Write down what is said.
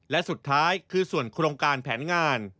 และสุดท้ายคือส่วนโครงการแผนงาน